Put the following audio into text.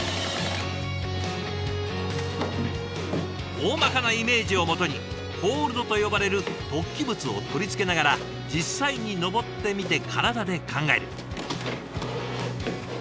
おおまかなイメージを基にホールドと呼ばれる突起物を取り付けながら実際に登ってみて体で考える。